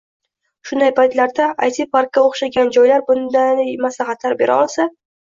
Shunday paytlarda, AyTi-parkka oʻxshagan joylar bunday maslahatlar bera olsa